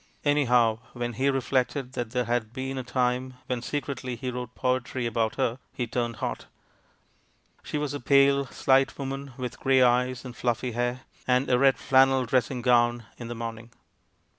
Anyhow, when he reflected that there had been a time when secretly he wrote poetry about her, he turned hot. She was a pale, slight woman, with grey eyes and fluffy hair, and a red flannel dressing grown in the morning.